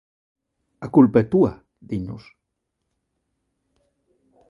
"A culpa é túa", dinnos.